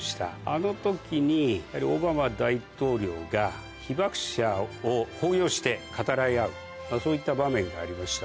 あの時にオバマ大統領が被爆者を抱擁して語らい合うそういった場面がありました。